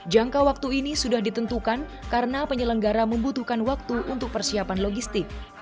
jangka waktu ini sudah ditentukan karena penyelenggara membutuhkan waktu untuk persiapan logistik